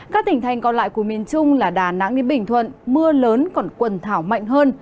các tỉnh thành còn lại của miền trung là đà nẵng đến bình thuận mưa lớn còn quần thảo mạnh hơn